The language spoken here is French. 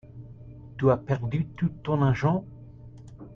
Tu as perdu tout ton argent ?